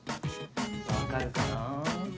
分かるかな？